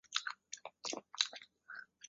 张种是梁太子中庶子临海郡太守张略之子。